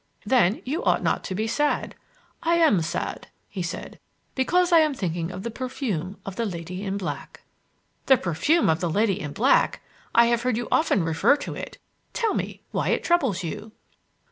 "Then you ought not to be sad." "I am sad," he said, "because I am thinking of the perfume of the lady in black " "The perfume of the lady in black! I have heard you often refer to it. Tell me why it troubles you."